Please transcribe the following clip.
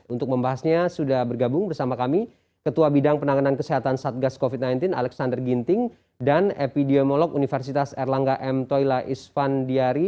untuk membahasnya sudah bergabung bersama kami ketua bidang penanganan kesehatan satgas covid sembilan belas alexander ginting dan epidemiolog universitas erlangga m toila isvan diari